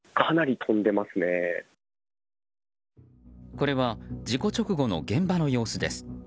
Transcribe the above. これは事故直後の現場の様子です。